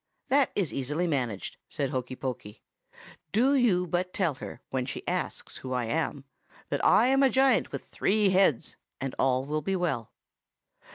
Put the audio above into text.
"'That is easily managed,' said Hokey Pokey. 'Do you but tell her, when she asks who I am, that I am a giant with three heads, and all will be well.